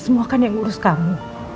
semua kan yang ngurus kamu